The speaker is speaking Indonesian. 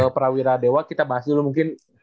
prawira dewa kita bahas dulu mungkin